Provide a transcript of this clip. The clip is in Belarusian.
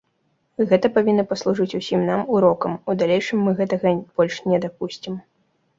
Гэта павінна паслужыць усім нам урокам, у далейшым мы гэтага больш не дапусцім.